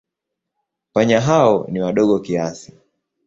Panya hao ni wadogo kiasi.